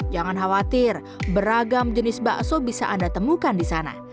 jangan khawatir beragam jenis bakso bisa anda temukan di sana